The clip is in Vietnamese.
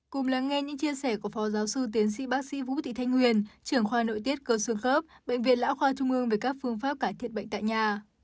cùng lắng nghe những chia sẻ của phó giáo sư tiến sĩ bác sĩ vũ thị thanh nguyên trưởng khoa nội tiết cơ xương khớp bệnh viện lão khoa trung ương về các phương pháp cải thiện bệnh tại nhà